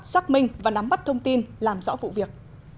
xác minh và nắm bắt thông tin làm rõ vụ việc